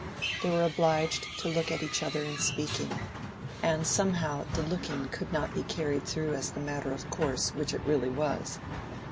They were obliged to look at each other in speaking, and somehow the looking could not be carried through as the matter of course which it really was.